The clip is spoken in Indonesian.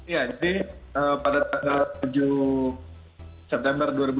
ya jadi pada tanggal tujuh september dua ribu dua puluh